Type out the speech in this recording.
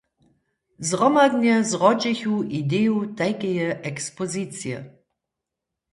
Zhromadnje zrodźichu ideju tajkeje ekspozicije.